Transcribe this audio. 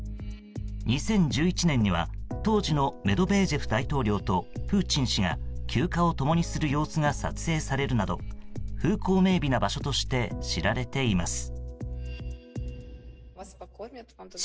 ２０１１年には当時のメドベージェフ大統領とプーチン氏が休暇を共にする様子が撮影されるなど風光明媚な場所として知られています。